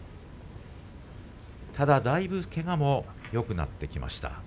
ただ、だいぶけがもよくなってきました。